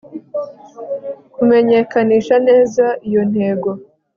kumenyekanisha neza iyo ntego